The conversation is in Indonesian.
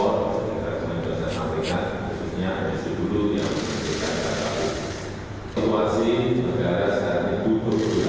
dan pemerintah pemerintah pemerintah khususnya bsdb dulu yang memiliki kata kata